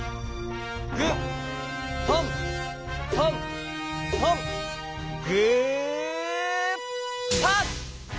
グットントントングーパッ！